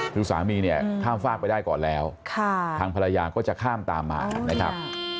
คือสามีเนี่ยข้ามฝากไปได้ก่อนแล้วทางภรรยาก็จะข้ามตามมานะครับ